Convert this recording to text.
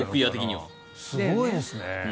すごいですね。